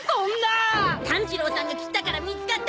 炭治郎さんが斬ったから見つかったんだから。